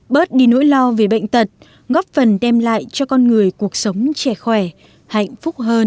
bớt đi nỗi lo về bệnh tật góp phần đem lại cho con người cuộc sống trẻ khỏe hạnh phúc hơn